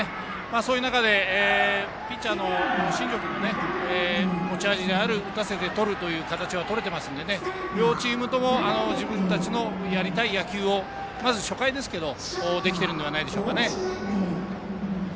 そういう中でピッチャーの新庄君が持ち味である打たせてとるという形がとれているので両チームとも自分たちのやりたい野球がまず初回ですけどできてるんではないでしょうか。